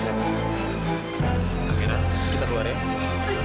gak bisa mbak kita harus keluar mbak